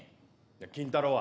「金太郎」は？